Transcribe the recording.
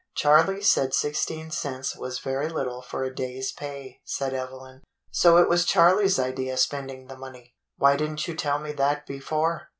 " Charley said sixteen cents was very little for a day's pay," said Evelyn. "So it was Charley's idea spending the money? Why did n't you tell me that before?